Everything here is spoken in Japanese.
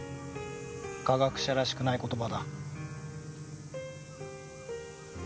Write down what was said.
科学者らしくない言葉だ。